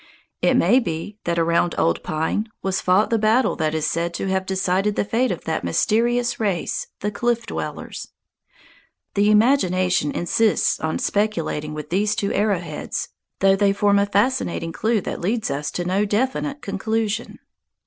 It may be that around Old Pine was fought the battle that is said to have decided the fate of that mysterious race the Cliff Dwellers. The imagination insists on speculating with these two arrowheads, though they form a fascinating clue that leads us to no definite conclusion.